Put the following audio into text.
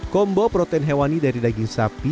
kombo protein hewani dari daging sapi